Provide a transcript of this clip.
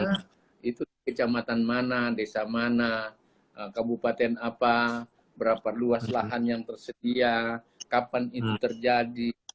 nah itu kecamatan mana desa mana kabupaten apa berapa luas lahan yang tersedia kapan itu terjadi